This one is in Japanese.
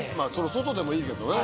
外でもいいけどね。